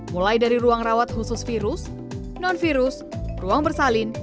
mulai dari ruang rawat khusus virus non virus ruang bersalin